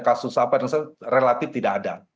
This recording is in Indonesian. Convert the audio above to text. kasus apa yang relatif tidak ada